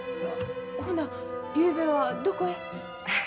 ほなゆうべはどこへ？